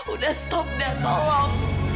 udah stop da tolong